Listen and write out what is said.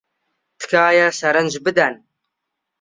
تکایە سەرنج بدەن.